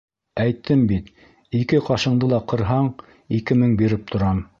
Әйттем бит, ике ҡашыңды ла ҡырһаң, ике мең биреп торам.